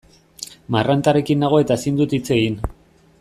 Marrantarekin nago eta ezin dut hitz egin.